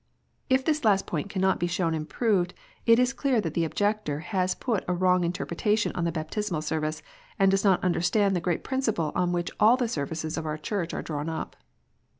If this last point cannot be shown and proved, it is clear that the objector has put a wrong inter pretation on the Baptismal Service, and does not understand the great principle on which all the Services of our Church are drawn up.